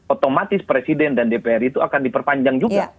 otomatis presiden dan dpr itu akan diperpanjang juga